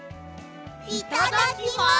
いただきます！